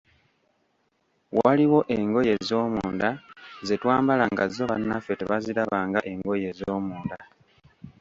Waliwo engoye ez'omunda ze twambala nga zo bannaffe tebaziraba nga engoye ez'omunda.